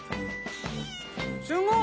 すごい！